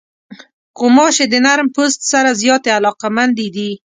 غوماشې د نرم پوست سره زیاتې علاقمندې دي.